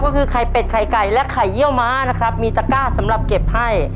ก็คือไข่เป็ดไข่ไก่และไข่เยี่ยวม้านะครับมีตะก้าสำหรับเก็บให้